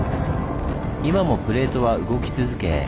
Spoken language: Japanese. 今もプレートは動き続け